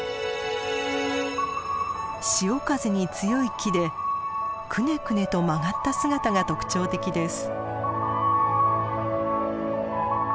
潮風に強い木でくねくねと曲がった姿が特徴的です。